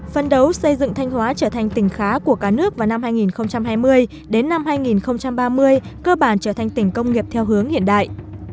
phân đấu xây dựng thanh hóa trở thành tỉnh khá của cả nước vào năm hai nghìn hai mươi đến năm hai nghìn ba mươi cơ bản trở thành tỉnh công nghiệp theo hướng hiện đại